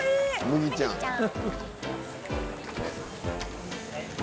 麦ちゃん。